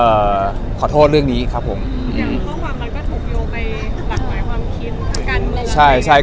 เอ่อขอโทษเรื่องนี้ครับผมอย่างข้อความมันก็ถูกโยกไปหลักหมายความคิดกัน